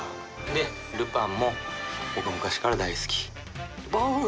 で「ルパン」も僕昔から大好き。